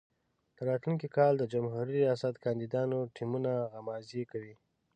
د راتلونکي کال د جمهوري ریاست کاندیدانو ټیمونه غمازي کوي.